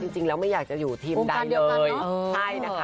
จริงแล้วไม่อยากจะอยู่ทีมได้เลย